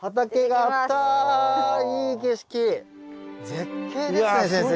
絶景ですね先生。